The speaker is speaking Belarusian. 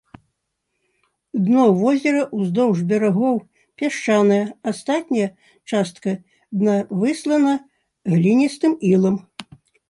Дно возера ўздоўж берагоў пясчанае, астатняя частка дна выслана гліністым ілам.